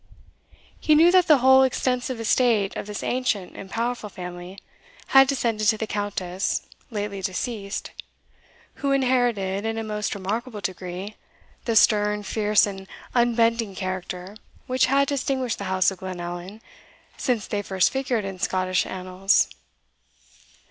He knew that the whole extensive estate of this ancient and powerful family had descended to the Countess, lately deceased, who inherited, in a most remarkable degree, the stern, fierce, and unbending character which had distinguished the house of Glenallan since they first figured in Scottish annals.